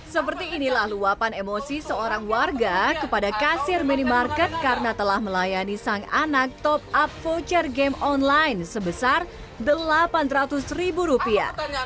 seperti inilah luapan emosi seorang warga kepada kasir minimarket karena telah melayani sang anak top up voucher game online sebesar delapan ratus ribu rupiah